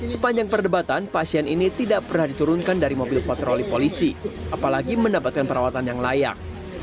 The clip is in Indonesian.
sepanjang perdebatan pasien ini tidak pernah diturunkan dari mobil patroli polisi apalagi mendapatkan perawatan yang layak